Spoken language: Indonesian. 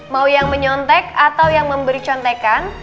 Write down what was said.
mau yang menyontek atau yang memberi contekan